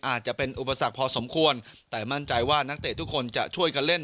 อาจจะเป็นอุปสรรคพอสมควรแต่มั่นใจว่านักเตะทุกคนจะช่วยกันเล่น